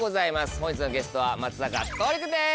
本日のゲストは松坂桃李君です。